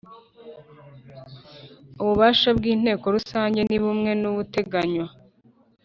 Ububasha bw Inteko Rusange ni bumwe n ubuteganywa